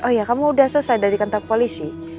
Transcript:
oh iya kamu udah selesai dari kentang polisi